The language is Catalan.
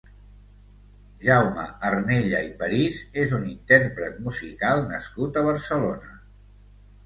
Jaume Arnella i París és un intérpret musical nascut a Barcelona.